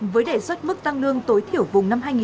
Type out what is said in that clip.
với đề xuất mức tăng lương tối thiểu vùng